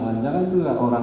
dan yang lain juga ada